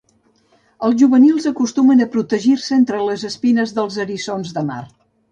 Els juvenils acostumen a protegir-se entre les espines dels eriçons de mar.